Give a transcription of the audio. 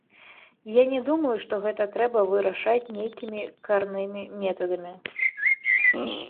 Я не думаю, што гэта трэба вырашаць нейкімі карнымі мерамі.